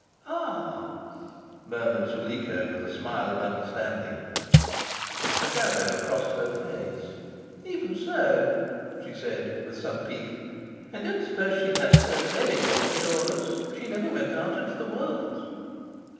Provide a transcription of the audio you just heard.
"Ah," murmured Zuleika, with a smile of understanding. A shadow crossed her face, "Even so," she said, with some pique, "I don't suppose she had so very many adorers. She never went out into the world."